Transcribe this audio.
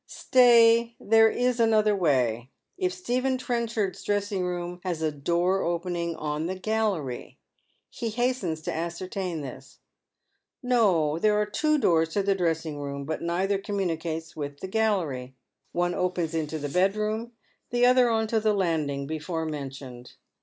Stay, there is another way ; if Stephen Trenchard's dressing room has a door opening on the galleiy. He hastens to ascertain this. No, there are two doors to the dress ing room, but neither communicates with the gallery. One opens into the bed room, the other on to the landing before mentioned.